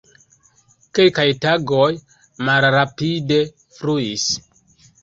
Kelkaj tagoj malrapide fluis.